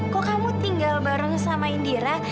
kok kamu tinggal bareng sama indira